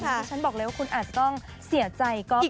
แต่ค่ะผมก็จะบอกเลยว่าคุณอาจต้องเสียใจก็ไปได้